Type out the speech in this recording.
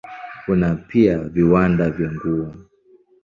Kuna pia viwanda vya nguo.